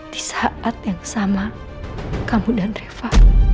di saat yang sama kamu dan reva